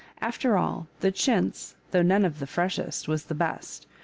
After all, the chintz, though none of the freshest, was the best.